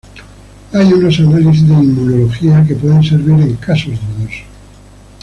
Hay unos análisis de inmunología que pueden servir en casos dudosos.